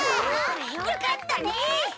よかったね！